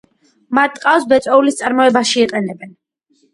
მათ ტყავს ბეწვეულის წარმოებაში იყენებენ.